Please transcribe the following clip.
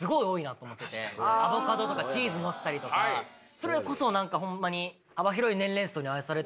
それこそホンマに。